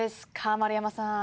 丸山さん。